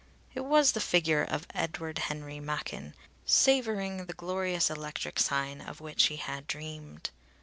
It was the figure of Edward Henry Machin, savouring the glorious electric sign of which he had dreamed.